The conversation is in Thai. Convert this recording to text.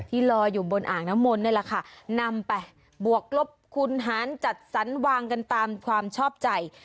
รออยู่บนอ่างน้ำมนต์นี่แหละค่ะนำไปบวกลบคุณหารจัดสรรวางกันตามความชอบใจ